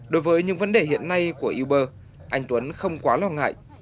đối với những vấn đề hiện nay của uber anh tuấn không quá lo ngại